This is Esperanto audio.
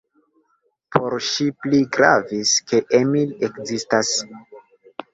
Por ŝi pli gravis, ke Emil ekzistas.